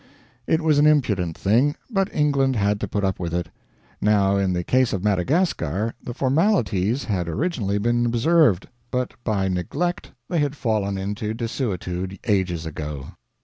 It was an impudent thing; but England had to put up with it. Now, in the case of Madagascar, the formalities had originally been observed, but by neglect they had fallen into desuetude ages ago.